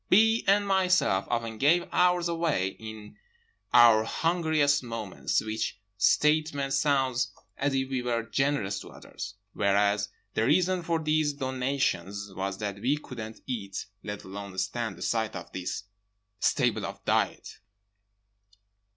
B. and myself often gave ours away in our hungriest moments; which statement sounds as if we were generous to others, whereas the reason for these donations was that we couldn't eat, let alone stand the sight of this staple of diet.